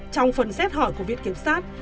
trong phần xét hỏi của viết kiểm sát